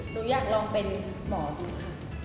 หนูอยากลองเป็นหมอดูค่ะ